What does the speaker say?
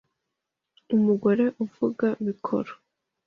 Umugore uvuga mikoro